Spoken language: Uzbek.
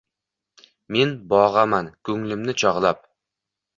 “Men bo’g’aman ko’nglimni chog’lab